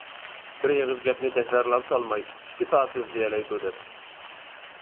بىر ئېغىز گەپنى تەكرارلاپ سالماي ئىككى سائەت سۆزلىيەلەيدۇ دەپ.